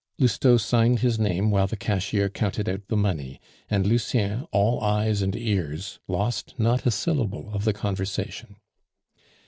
Lousteau signed his name while the cashier counted out the money; and Lucien, all eyes and ears, lost not a syllable of the conversation.